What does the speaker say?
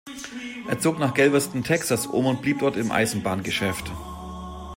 Er zog nach Galveston, Texas um und blieb dort im Eisenbahngeschäft.